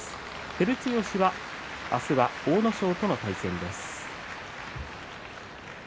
照強は明日は阿武咲との対戦です。